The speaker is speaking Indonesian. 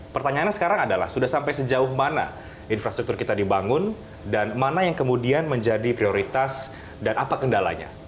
pertanyaannya sekarang adalah sudah sampai sejauh mana infrastruktur kita dibangun dan mana yang kemudian menjadi prioritas dan apa kendalanya